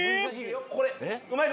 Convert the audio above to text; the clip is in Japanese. これうまい。